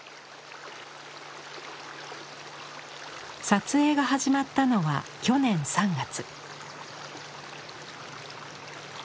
撮影が始まったのは去年３月。